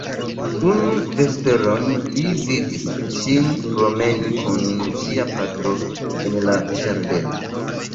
Unu vesperon li vidis ŝin promeni kun ŝia patro en la ĝardeno.